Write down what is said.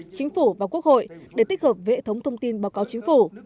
chính phủ và quốc hội để tích hợp với hệ thống thông tin báo cáo chính phủ